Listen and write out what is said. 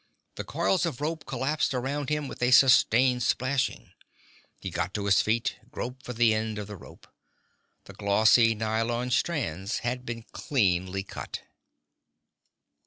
The coils of rope collapsed around him with a sustained splashing. He got to his feet, groped for the end of the rope. The glossy nylon strands had been cleanly cut.